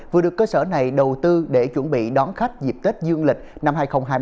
vừa được cơ sở này đầu tư để chuẩn bị đón khách dịp tết dương lịch năm hai nghìn hai mươi